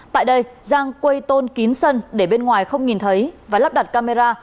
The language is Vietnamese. tại đây giang quây tôn kín sân để bên ngoài không nhìn thấy và lắp đặt camera